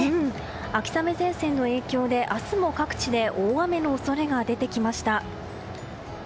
秋雨前線の影響で明日も各地で大雨の恐れが出てきました。